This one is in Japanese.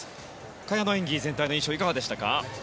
萱の演技、全体の印象いかがでしたか？